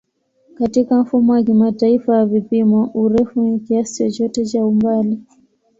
Katika Mfumo wa Kimataifa wa Vipimo, urefu ni kiasi chochote cha umbali.